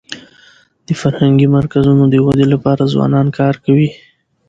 د فرهنګي مرکزونو د ودي لپاره ځوانان کار کوي.